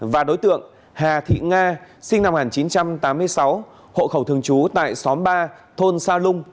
và đối tượng hà thị nga sinh năm một nghìn chín trăm tám mươi sáu hộ khẩu thường trú tại xóm ba thôn sa lung